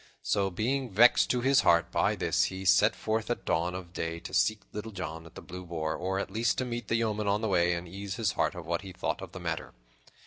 So, being vexed to his heart by this, he set forth at dawn of day to seek Little John at the Blue Boar, or at least to meet the yeoman on the way, and ease his heart of what he thought of the matter.